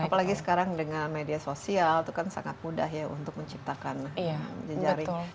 apalagi sekarang dengan media sosial itu kan sangat mudah ya untuk menciptakan jejaring